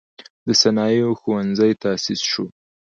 د صنایعو ښوونځی تأسیس شو.